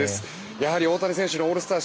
やはり、大谷選手のオールスター